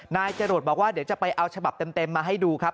นายจรวดบอกว่าเดี๋ยวจะไปเอาฉบับเต็มมาให้ดูครับ